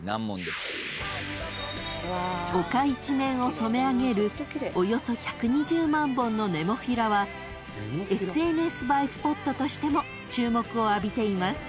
［丘一面を染め上げるおよそ１２０万本のネモフィラはＳＮＳ映えスポットとしても注目を浴びています］